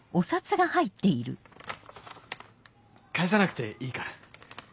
返さなくていいから。